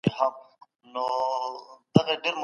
فرانسه افغان ځوانانو ته د زده کړو کوم پروګرامونه لري؟